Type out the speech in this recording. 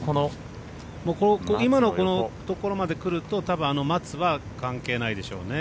今のところまで来るとたぶんあの松は関係ないでしょうね。